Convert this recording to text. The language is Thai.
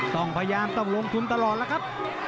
ต้องพยายามต้องลงทุนตลอดแล้วครับ